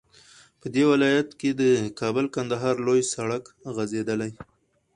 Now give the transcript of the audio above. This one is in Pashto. په دې ولايت كې د كابل- كندهار لوى سړك غځېدلى